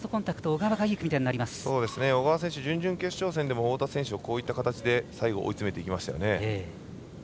小川選手準々決勝でも太田選手をこういった形で最後、追い詰めていきました。